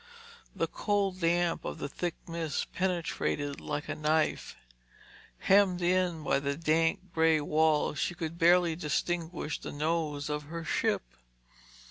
The cold damp of the thick mist penetrated like a knife. Hemmed in by the dank grey walls, she could barely distinguish the nose of her ship.